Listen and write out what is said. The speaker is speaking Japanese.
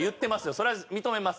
それは認めます。